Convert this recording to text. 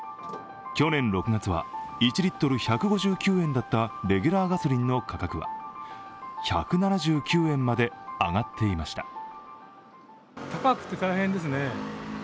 去年６月は１リットル１５９円だったレギュラーガソリンの価格は１７９円まで上がっていました。